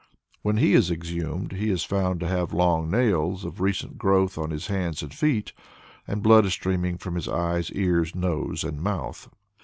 When he is exhumed, he is found to have long nails of recent growth on his hands and feet, and blood is streaming from his eyes, ears, nose and mouth.